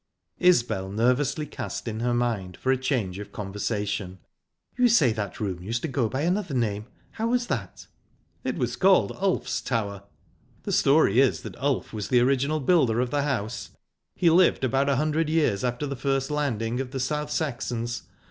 Isbel nervously cast in her mind for a change of conversation. "You say that room used to go by another name. How was that?" "It was called Ulf's Tower. The story is that Ulf was the original builder of the house. He lived about a hundred years after the first landing of the South Saxons.